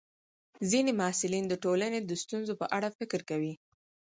ځینې محصلین د ټولنې د ستونزو په اړه فکر کوي.